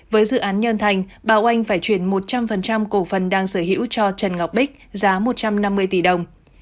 với dự án nhân thành bà oanh phải chuyển một trăm linh cổ phần đang sở hữu cho trần ngọc bích giá một trăm năm mươi tỷ đồng